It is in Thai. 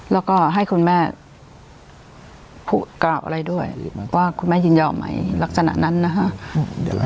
แล้วก็ให้คุณแม่พูดกล่าวอะไรด้วยว่าคุณแม่ยินยอมไหมลักษณะนั้นนะฮะ